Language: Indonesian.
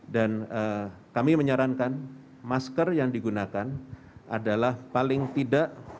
dan kami menyarankan masker yang digunakan adalah paling tidak